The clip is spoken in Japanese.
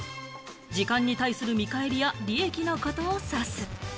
時間に対する見返りや利益のことを指す。